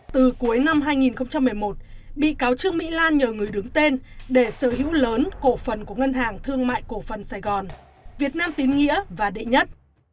từ cuối năm hai nghìn một mươi một bị cáo trương mỹ lan nhờ người đứng tên để sở hữu lớn cổ phần của ngân hàng thương mại cổ phần sài gòn việt nam tín nghĩa và đệ nhất